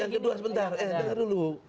yang kedua sebentar eh eh eh dulu